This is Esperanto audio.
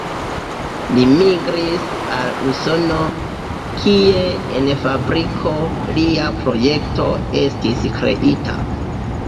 Li migris al Usono, kie en fabriko lia projekto estis kreita.